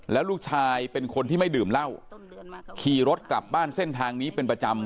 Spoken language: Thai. แล้วลูกชายเป็นคนที่ไม่ดื่มเหล้าขี่รถกลับบ้านเส้นทางนี้เป็นประจำ